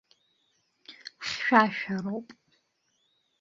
Хьшәашәароуп.